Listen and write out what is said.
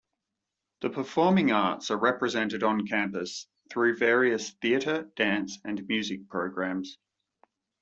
The performing arts are represented on-campus through various theatre, dance and music programs.